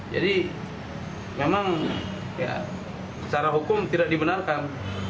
jadi memang ya secara hukum tidak dibenarkan